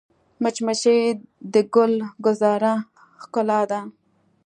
مچمچۍ د ګل ګلزار ښکلا ده